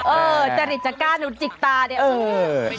เออจริจจากการจิกตาเนี่ย